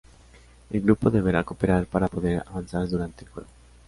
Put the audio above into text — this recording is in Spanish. El grupo deberá cooperar para poder avanzar durante el juego.